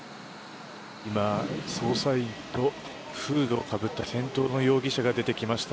今、捜査員とフードをかぶった先頭の容疑者が出てきました。